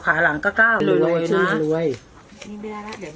ขาหลังก็ก้าวรวยรวยนะรวยนี่ไม่ได้แล้วเดี๋ยวเอา